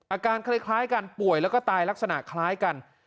อาการคล้ายกันป่วยแล้วก็ตายลักษณะคล้ายกัน